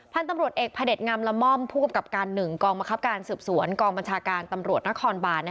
พันธุ์ตำรวจเอกพระเด็จงามละม่อมผู้กำกับการ๑กองบังคับการสืบสวนกองบัญชาการตำรวจนครบาน